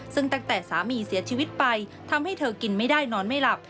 ซึ่งตั้งแต่สามีเสียชีวิตไปทำให้เธอกินไม่ได้นอนไม่หลับ